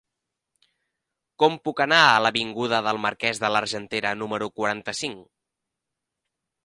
Com puc anar a l'avinguda del Marquès de l'Argentera número quaranta-cinc?